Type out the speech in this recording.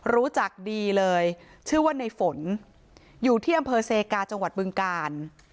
รู้จักดีเลยชื่อว่าในฝนอยู่ที่อำเภอเซกาจังหวัดบึงกาล